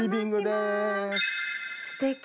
すてき